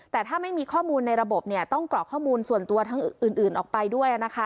แต่ถ้าไม่มีข้อมูลในระบบต้องกรอกข้อมูลส่วนตัวทั้งอื่นออกไปด้วยนะคะ